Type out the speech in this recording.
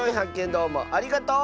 どうもありがとう！